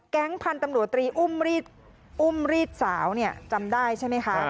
พันธุ์ตำรวจตรีอุ้มรีดสาวเนี่ยจำได้ใช่ไหมคะ